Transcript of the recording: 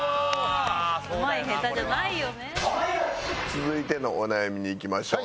続いてのお悩みにいきましょう。